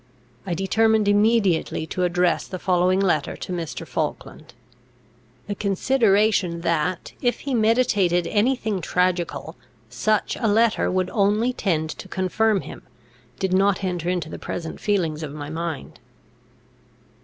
I determined immediately to address the following letter to Mr. Falkland. The consideration that, if he meditated any thing tragical, such a letter would only tend to confirm him, did not enter into the present feelings of my mind.